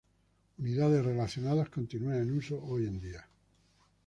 Unidades relacionadas continúan en uso hoy en día.